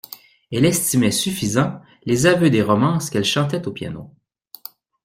Elle estimait suffisants les aveux des romances qu'elle chantait au piano.